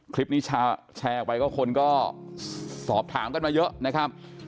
คลิปนี้แชร์ออกไปก็คนก็สอบถามกันมาเยอะนะครับ